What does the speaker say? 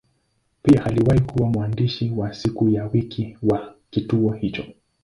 Pia aliwahi kuwa mwandishi wa siku ya wiki kwa kituo hicho.